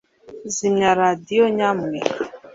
zimya radio, nyamuneka